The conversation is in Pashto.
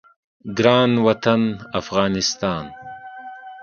ګران وطن افغانستان